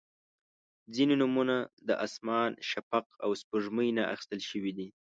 • ځینې نومونه د اسمان، شفق، او سپوږمۍ نه اخیستل شوي دي.